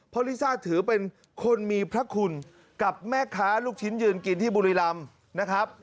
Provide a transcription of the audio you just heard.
ลิซ่าถือเป็นคนมีพระคุณกับแม่ค้าลูกชิ้นยืนกินที่บุรีรำนะครับ